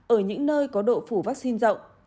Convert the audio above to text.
ở những nơi có độ phủ vaccine rộng